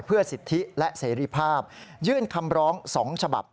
เพื่อสิทธิและเสรีภาพยื่นคำร้อง๒ฉบับ